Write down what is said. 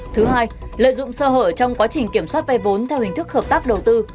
thứ hai lợi dụng sơ hở trong quá trình kiểm soát vay vốn theo hình thức hợp tác đầu tư